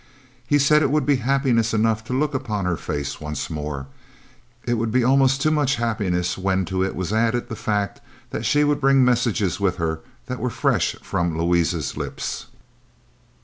He said it would be happiness enough to look upon her face once more it would be almost too much happiness when to it was added the fact that she would bring messages with her that were fresh from Louise's lips.